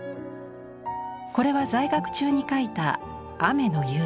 これは在学中に描いた「雨の夕」。